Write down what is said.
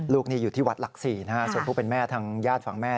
ลูกนี่อยู่ที่วัดหลักศรีนะฮะส่วนผู้เป็นแม่ทางญาติฝั่งแม่